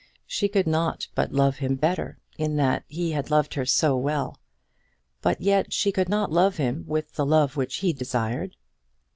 She could not but love him better, in that he had loved her so well; but yet she could not love him with the love which he desired.